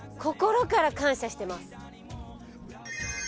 心から感謝してます。